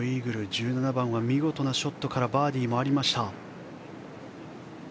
１７番は見事なショットからバーディーもありました。